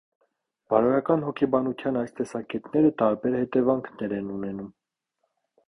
Բարոյական հոգեբանության այս տեսակետները տարբեր հետևանքներ են ունենում։